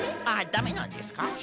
あっダメなんですか？